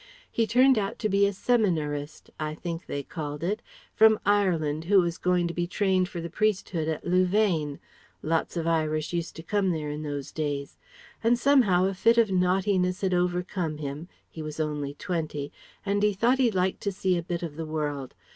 He turned out to be a seminarist I think they called it from Ireland who was going to be trained for the priesthood at Louvain lots of Irish used to come there in those days. And somehow a fit of naughtiness had overcome him he was only twenty and he thought he'd like to see a bit of the world.